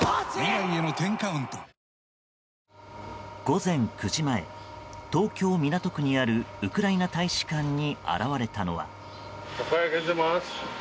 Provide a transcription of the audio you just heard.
午前９時前東京・港区にあるウクライナ大使館に現れたのは。